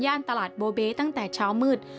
ตลาดโบเบ๊ตั้งแต่เช้ามืด